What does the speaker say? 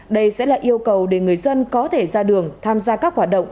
đây sẽ là yêu cầu để người dân có thể ra đường tham gia các hoạt động